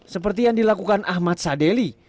seperti yang dilakukan ahmad sadeli